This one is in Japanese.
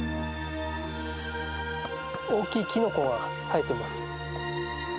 大きいきのこが生えてます。